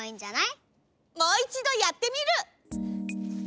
もういちどやってみる！